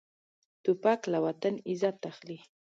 توپک له وطن عزت اخلي.